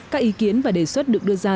các ý kiến và đề xuất được đưa ra